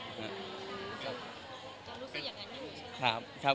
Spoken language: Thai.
รู้สึกอย่างนั้นอยู่ใช่ไหม